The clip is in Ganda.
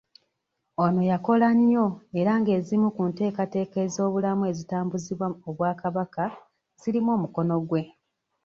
Ono yakola nnyo era ng'ezimu ku nteekateeka ez'obulamu ezitambuzibwa obwakabaka zirimu omukono gwe.